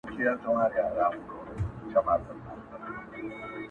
يوه ورځ كندو ته تلمه بېخبره٫